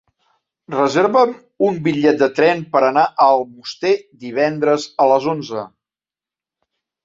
Reserva'm un bitllet de tren per anar a Almoster divendres a les onze.